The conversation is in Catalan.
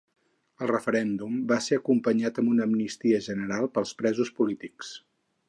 El referèndum va ser acompanyat amb una amnistia general pels presos polítics.